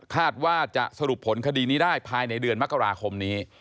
คาดว่าจะสรุปผลคดีนี้ได้ภายในเดือนมกราคมนี้